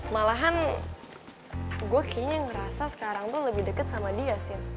malahan gue kayaknya ngerasa sekarang tuh lebih dekat sama dia sih